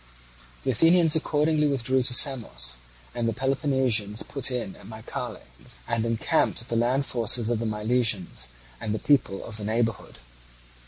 The Athenians accordingly withdrew to Samos, and the Peloponnesians put in at Mycale, and encamped with the land forces of the Milesians and the people of the neighbourhood.